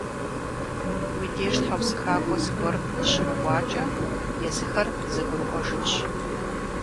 Уи деж тхьэусыхакӏуэ зыгуэр ныщымыкӏуакӏэ, езыхэр зэгурыӏуэжынщ.